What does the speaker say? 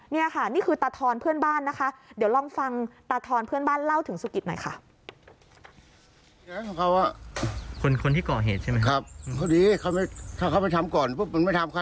นี่ค่ะนี่คือตาทรเพื่อนบ้านนะคะ